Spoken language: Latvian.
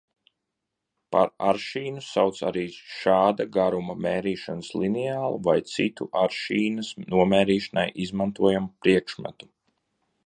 Par aršīnu sauc arī šāda garuma mērīšanas lineālu vai citu aršīnas nomērīšanai izmantojamu priekšmetu.